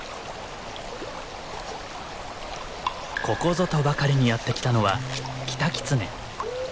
ここぞとばかりにやって来たのはキタキツネ。